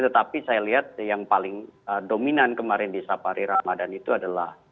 tetapi saya lihat yang paling dominan kemarin di sapari ramadan itu adalah